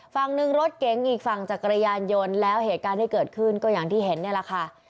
ฝั่งหนึ่งรถเก๋งอีกฝั่งจากกระยานยนต์แล้วเหตุการณ์ที่เกิดขึ้นก็อย่างที่เห็นนี่แหละค่ะ